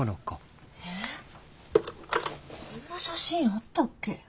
こんな写真あったっけ？